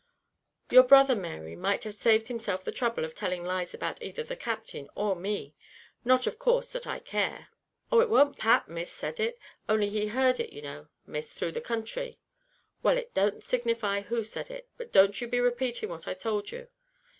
"Your brother, Mary, might have saved himself the throuble of telling lies about either the Captain or me; not of course that I care." "Oh! it warn't Pat, Miss, said it, only he heard it you know, Miss, through the counthry." "Well, it don't signify who said it, but don't you be repeating what I told you."